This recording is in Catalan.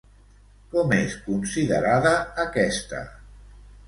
Com és considerada aquesta?